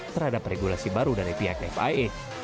terhadap regulasi baru dari pihak fia